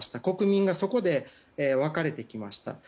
国民がそこで分かれてきました。